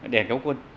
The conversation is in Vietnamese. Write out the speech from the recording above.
đèn cao quân